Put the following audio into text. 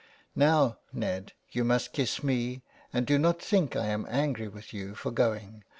" Now, Ned, you must kiss me, and do not think I am angry with you for going.